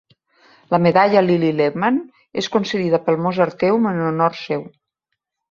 La Medalla Lilli Lehmann és concedida pel Mozarteum en honor seu.